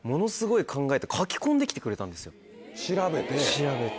調べて？